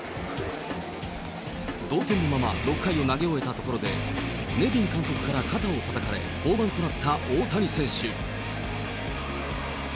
同点のまま、６回を投げ終えたところで、ネビン監督から肩をたたかれ、降板となった大谷選手。